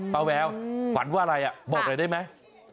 ป้าแววฝันว่าอะไรอ่ะบอกเลยได้ไหม